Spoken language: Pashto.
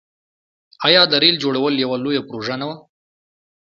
آیا د ریل جوړول یوه لویه پروژه نه وه؟